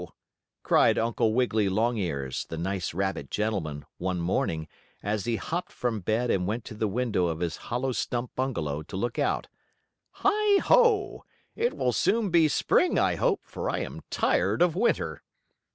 cried Uncle Wiggily Longears, the nice rabbit gentleman, one morning, as he hopped from bed and went to the window of his hollow stump bungalow to look out. "Heigh ho! It will soon be Spring, I hope, for I am tired of Winter."